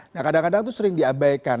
nah kadang kadang tuh sering diabaikan